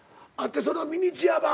それのミニチュア版？